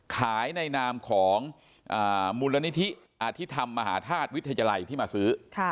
ในนามของมูลนิธิอธิธรรมมหาธาตุวิทยาลัยที่มาซื้อ